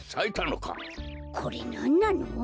これなんなの？